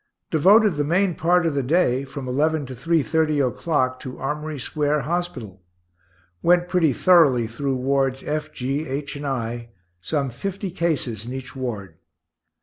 Devoted the main part of the day, from 11 to 3.30 o'clock, to Armory square hospital; went pretty thoroughly through Wards F, G, H, and I some fifty cases in each ward.